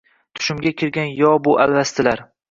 Tushimga kirgan yo bu alvastilar